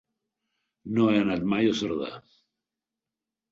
No he anat mai a Cerdà.